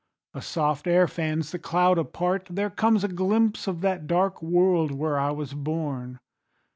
A soft air fans the cloud apart; there comes A glimpse of that dark world where I was born.